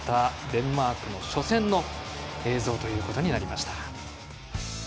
デンマークの初戦の映像ということになりました。